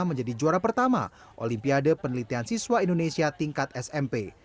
menjadi juara pertama olimpiade penelitian siswa indonesia tingkat smp